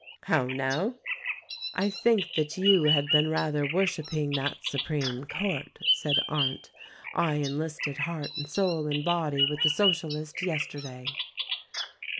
"How now?" "I think that you had been rather worshiping that Su preme Court," said Arndt. "I enlisted, heart and soul and body with the Socialists yesterday."